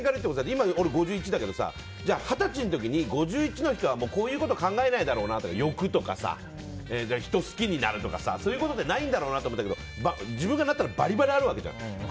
今、俺５１だけど二十歳の時は５１の人はこういうことを考えないだろうなとか、欲とか人を好きになるとかそういうことってないんだろうなって思ったけど自分がなったらバリバリあるわけじゃん。